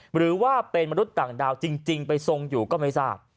หรือว่าเป็นมนุษย์ต่างดาวจริงไปทรงอยู่ก็ไม่ทราบ